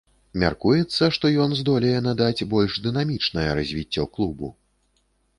Мяркуецца, што ён здолее надаць больш дынамічнае развіццё клубу.